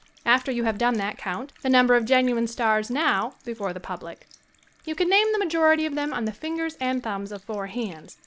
After you have done that count the number of genuine stars now before the public. You can name the ma jority of them on the fingers and thumbs of four hands.